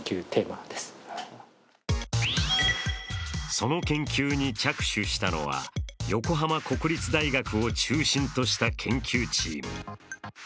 その研究に着手したのは横浜国立大学を中心とした研究チーム。